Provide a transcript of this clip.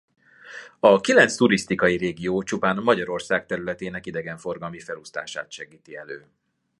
A kilenc turisztikai régió csupán Magyarország területének idegenforgalmi felosztását segíti elő.